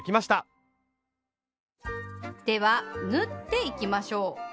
では縫っていきましょう。